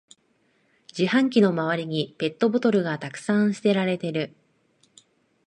自販機の周りにペットボトルがたくさん捨てられてる